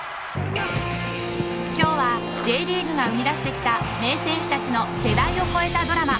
今日はＪリーグが生み出してきた名選手たちの世代を超えたドラマ。